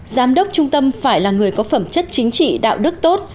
giám đốc trung tâm phải là người có phẩm chất chính trị đạo đức tốt